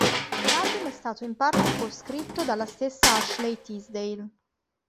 L'album è stato in parte co-scritto dalla stessa Ashley Tisdale.